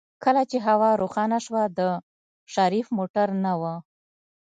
کله چې هوا روښانه شوه د شريف موټر نه و.